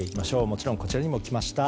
もちろん、こちらにもきました